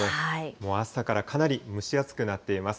もう朝からかなり蒸し暑くなっています。